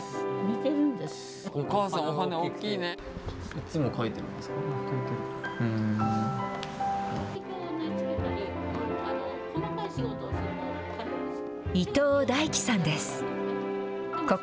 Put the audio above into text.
いつも描いてるんですか。